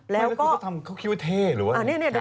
แล้วก็แล้วเขาคิดว่าเท่หรือว่า